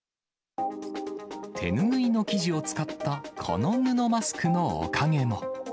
手拭いの生地を使ったこの布マスクのおかげも。